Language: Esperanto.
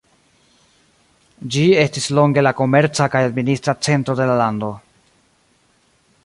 Ĝi estis longe la komerca kaj administra centro de la lando.